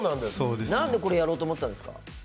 何でこれやろうと思ったんですか？